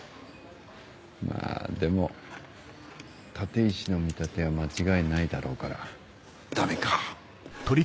まぁでも立石の見立ては間違いないだろうからダメか。